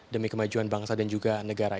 demi kemajuan bangsa dan juga negara